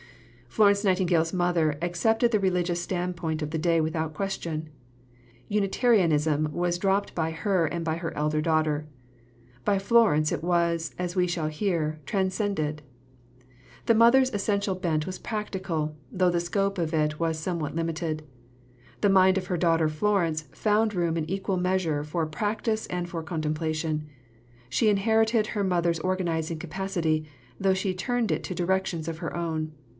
Florence Nightingale's mother accepted the religious standpoint of the day without question. Unitarianism was dropped by her and by her elder daughter; by Florence it was, as we shall hear, transcended. The mother's essential bent was practical, though the scope of it was somewhat limited. The mind of her daughter Florence found room in equal measure for practice and for contemplation. She inherited her mother's organising capacity, though she turned it to directions of her own.